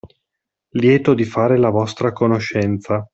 Lieto di fare la vostra conoscenza.